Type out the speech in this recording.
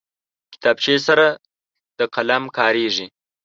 کتابچه سره د قلم کارېږي